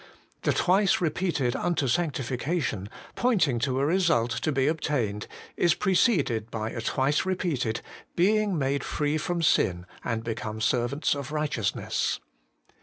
The twice repeated 'unto sanctification,' pointing to a result to be obtained, is preceded by a twice repeated 'being made free from sin and become servants of righteousness.'